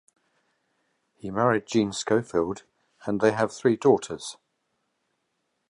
He married Jean Scofield and they have three daughters.